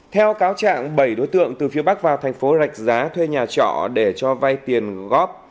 theo cáo trạng bảy đối tượng từ phía bắc vào thành phố rạch giá thuê nhà trọ để cho vay tiền góp